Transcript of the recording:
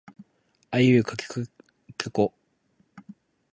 あえいうえおあおかけきくけこかこ